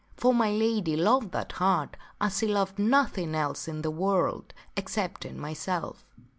For my lady loved that hart as she loved nothing else in the world, excepting myself."